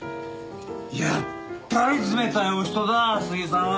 やっぱり冷たいお人だすぎさんは。